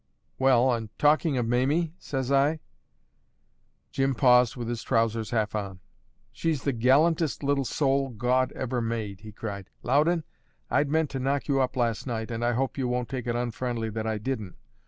"Well, and talking of Mamie?" says I. Jim paused with his trousers half on. "She's the gallantest little soul God ever made!" he cried. "Loudon, I'd meant to knock you up last night, and I hope you won't take it unfriendly that I didn't.